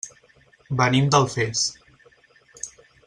Venim d'Alfés.